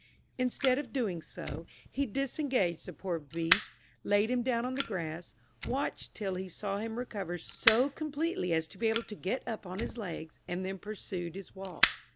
Instead of doing so, he disengaged the poor beast, laid him down on the grass, watched till he saw him recover so completely as to be able to get up on his legs, and then pursued his walk.